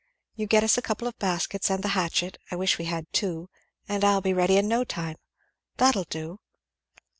You get us a couple of baskets and the hatchet I wish we had two and I'll be ready in no time. That'll do!"